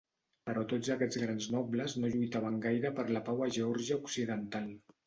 Però tots aquests grans nobles no lluitaven gaire per la pau a Geòrgia occidental.